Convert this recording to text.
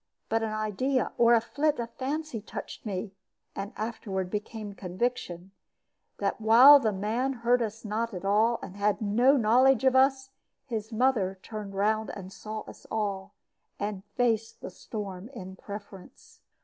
but an idea or a flit of fancy touched me (and afterward became conviction) that while the man heard us not at all, and had no knowledge of us, his mother turned round and saw us all, and faced the storm in preference.